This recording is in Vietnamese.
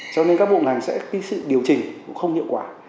cho nên các bộ ngành sẽ cái sự điều chỉnh cũng không hiệu quả